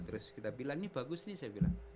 terus kita bilang ini bagus nih